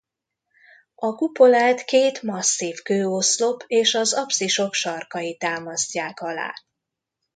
A kupolát két masszív kőoszlop és az apszisok sarkai támasztják alá.